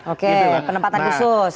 oke penempatan khusus